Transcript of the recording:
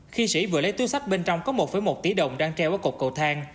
khi sĩ vừa lấy túi sách bên trong có một một tỷ đồng đang treo ở cột cầu thang